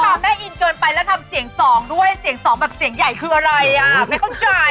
แม่อินเกินไปแล้วทำเสียงสองด้วยเสียงสองแบบเสียงใหญ่คืออะไรอ่ะไม่เข้าใจ